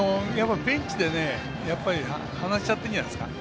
ベンチで話し合ってるんじゃないですか。